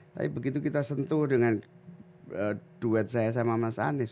tapi begitu kita sentuh dengan duet saya sama mas anies